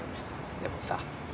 でもさ。